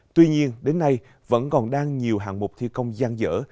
tuy nhiên đến nay vẫn còn đang nhiều hạng mục thi công gian dở